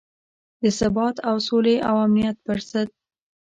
د ثبات او سولې او امنیت پر ضد.